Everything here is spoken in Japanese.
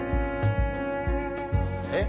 えっ？